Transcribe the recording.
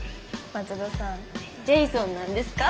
松戸さんジェイソンなんですか？